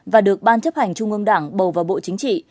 và được ban chấp hành trung ương đảng bầu vào bộ chính trị